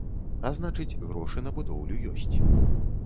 А значыць, грошы на будоўлю ёсць.